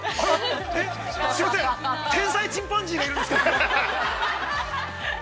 すいません、天才チンパンジーが要るんですけど。